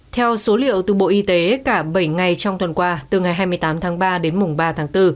theo số liệu từ bộ y tế cả bảy ngày trong tuần qua từ ngày hai mươi tám tháng ba đến mùng ba tháng bốn